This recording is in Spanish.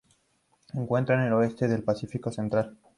Se encuentran en el oeste del Pacífico central.